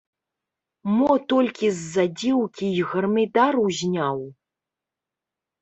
Мо толькі з-за дзеўкі і гармідар узняў?